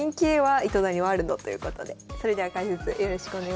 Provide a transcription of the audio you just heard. ということでそれでは解説よろしくお願いします。